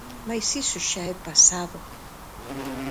Mais iso xa é pasado.